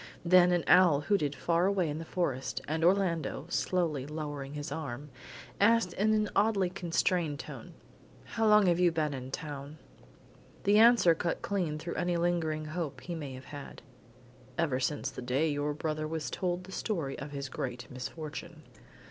Then an owl hooted far away in the forest, and Orlando, slowly lowering his arm, asked in an oddly constrained tone: "How long have you been in town?" The answer cut clean through any lingering hope he may have had. "Ever since the day your brother was told the story of his great misfortune."